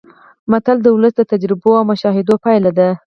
متل د ولس د تجربو او مشاهداتو پایله ده